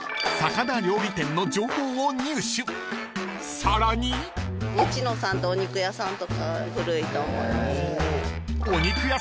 ［さらに］うちのさんってお肉屋さんとか古いと思います。